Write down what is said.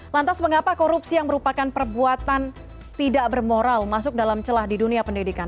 lantas mengapa korupsi yang merupakan perbuatan tidak bermoral masuk dalam celah di dunia pendidikan